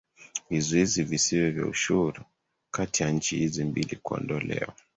Vizuizi visivyo vya ushuru kati ya nchi hizi mbili kuondolewa